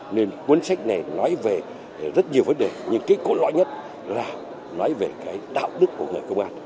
nên cuốn sách này nói về rất nhiều vấn đề nhưng cái cốt lõi nhất là nói về cái đạo đức của người công an